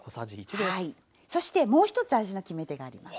そしてもう一つ味の決め手があります。